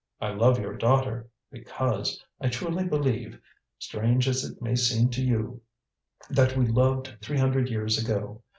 I love your daughter, because, I truly believe strange as it may seem to you that we loved three hundred years ago.